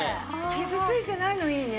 傷ついてないのいいね。